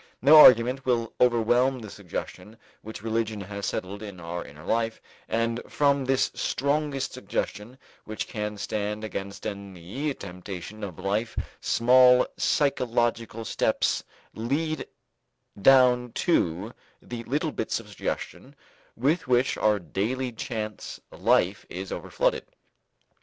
No argument will overwhelm the suggestion which religion has settled in our inner life, and from this strongest suggestion which can stand against any temptation of life small psychological steps lead down to the little bits of suggestion with which our daily chance life is over flooded.